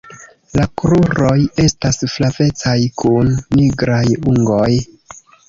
La kruroj estas flavecaj kun nigraj ungoj.